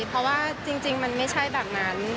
เพราะว่าจริงมันไม่ใช่แบบนั้น